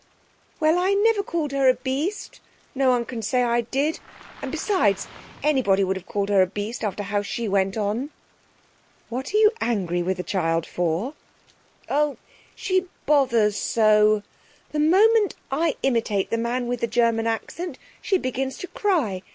'Well, I never called her a beast. No one can say I did. And besides, anybody would have called her a beast after how she went on.' 'What are you angry with the child for?' 'Oh, she bothers so. The moment I imitate the man with the German accent she begins to cry.